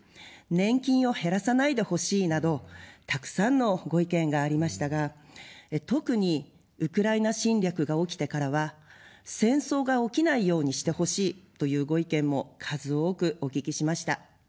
年金を減らさないでほしいなど、たくさんのご意見がありましたが、特にウクライナ侵略が起きてからは、戦争が起きないようにしてほしい、というご意見も数多くお聞きしました。